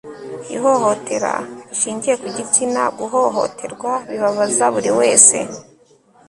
ihohotera rishingiye ku gitsina. guhohoterwa bibabaza buri wese